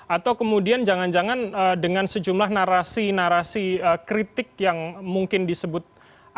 atau kemudian jangan jangan dengan sejumlah narasi narasi kritik yang mungkin disebut